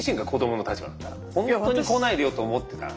本当に来ないでよと思ってたら。